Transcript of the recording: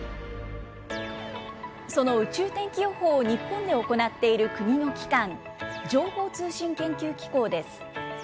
その宇宙天気予報を日本で行っている国の機関、情報通信研究機構です。